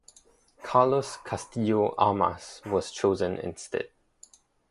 Carlos Castillo Armas was chosen instead.